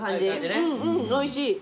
うんうんおいしい。